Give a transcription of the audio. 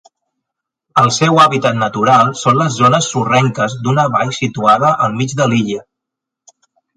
El seu hàbitat natural són les zones sorrenques d'una vall situada al mig de l'illa.